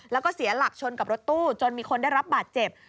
แล้วก็เสียหลักชนกับรถตู้จนมีคนได้รับบาดเจ็บ